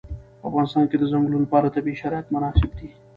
په افغانستان کې د چنګلونه لپاره طبیعي شرایط مناسب دي.